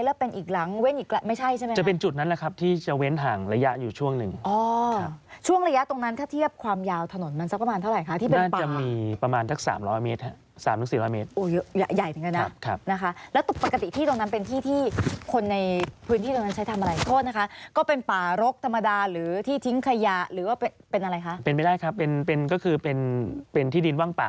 ถนนมันสักประมาณเท่าไหร่ค่ะที่เป็นป่าน่าจะมีประมาณทั้งสามร้อยเมตรครับสามนึงสี่ร้อยเมตรโอ้เยอะใหญ่ถึงกันนะครับครับนะคะแล้วตัวปกติที่ตรงนั้นเป็นที่ที่คนในพื้นที่ตรงนั้นใช้ทำอะไรโทษนะคะก็เป็นป่ารกฎธรรมดาหรือที่ทิ้งขยะหรือว่าเป็นอะไรคะเป็นไม่ได้ครับเป็นเป็นก็คือเป็นเป็นที่ดิ